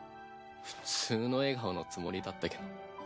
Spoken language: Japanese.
普通の笑顔のつもりだったけど。